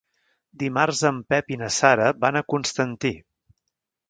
Dimarts en Pep i na Sara van a Constantí.